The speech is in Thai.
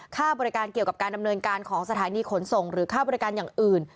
ค่าบริการเกี่ยวกับการดำเนินการของสถานีขนส่งหรือค่าบริการอย่างอื่น